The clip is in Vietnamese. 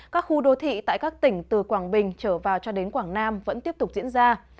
các khu đô thị tại các tỉnh từ quảng bình trở vào cho đến quảng nam vẫn tiếp tục diễn ra